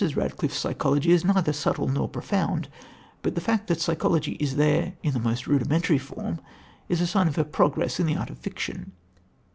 Radcliffe's psychology is neither subtle nor profound, but the fact that psychology is there in the most rudimentary form is a sign of her progress in the art of fiction.